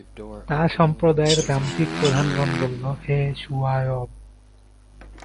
তার সম্প্রদায়ের দাম্ভিক প্রধানগণ বলল, হে শুআয়ব!